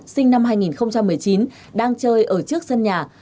sinh năm hai nghìn một mươi chín đang chơi ở trước sân nhà